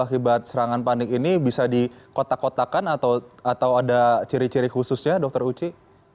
akibat serangan panik ini bisa dikotak kotakan atau ada ciri ciri khususnya dr uci